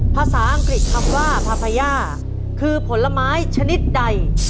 ภาษาอังกฤษคำว่าพาพย่าคือผลไม้ชนิดใด